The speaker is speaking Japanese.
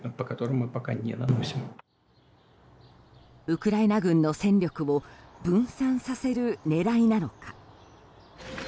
ウクライナ軍の戦力を分散させる狙いなのか。